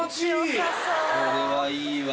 これはいいわ。